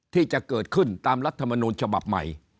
ที่จะเกิดขึ้นตามรัฐมนูลฉบับใหม่